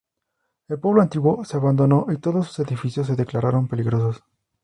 El pueblo antiguo se abandonó y todos sus edificios se declararon peligrosos.